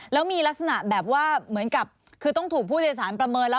แล้วมีลักษณะแบบว่าเหมือนกับคือต้องถูกผู้โดยสารประเมินแล้ว